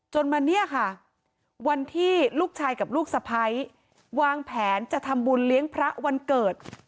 มาเนี่ยค่ะวันที่ลูกชายกับลูกสะพ้ายวางแผนจะทำบุญเลี้ยงพระวันเกิด